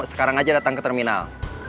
sekarang aja datang ke terminal